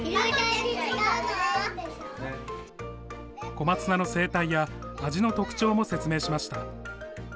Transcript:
小松菜の生態や味の特徴も説明しました。